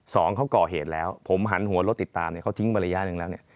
สองเขาก่อเหตุแล้วผมหันหัวรถติดตามเนี่ยเขาทิ้งมาระยะหนึ่งแล้วเนี่ย